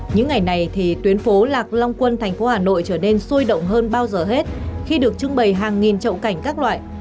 những ngày này thì tuyến phố lạc long quân thành phố hà nội trở nên sôi động hơn bao giờ hết khi được trưng bày hàng nghìn trậu cảnh các loại